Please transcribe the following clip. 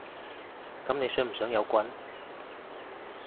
噉你想唔想有棍？